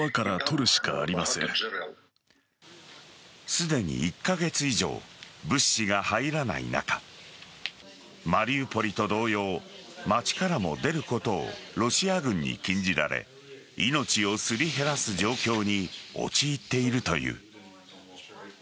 すでに１カ月以上物資が入らない中マリウポリと同様街からも出ることをロシア軍に禁じられ命をすり減らす状況に陥っているという。